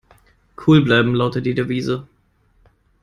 Cool bleiben lautet die Devise.